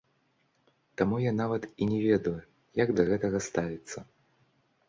Таму я нават і не ведаю, як да гэтага ставіцца.